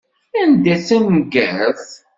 Anta i d taneggart?